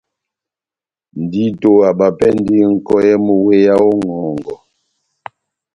Ndito abapɛndi nʼkɔyɛ mú wéya ó ŋʼhɔngɔ.